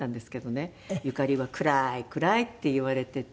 「ゆかりは暗い暗い」って言われていて。